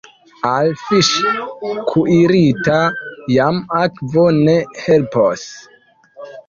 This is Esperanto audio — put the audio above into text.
Al fiŝ' kuirita jam akvo ne helpos.